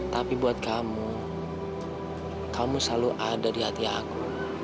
tapi buat kamu kamu selalu ada di hati aku